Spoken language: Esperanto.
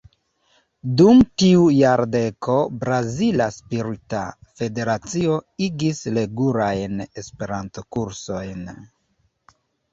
Dum tiu jardeko Brazila Spirita Federacio igis regulajn Esperanto-kursojn.